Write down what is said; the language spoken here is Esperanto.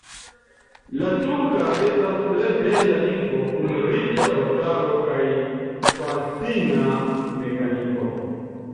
La turka estas tre bela lingvo kun riĉa vortaro kaj fascina mekaniko.